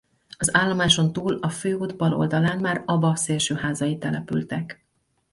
Az állomáson túl a főút bal oldalán már Aba szélső házai települtek.